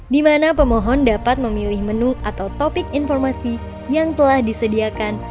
di mana pemohon dapat memilih menu atau topik informasi yang telah disediakan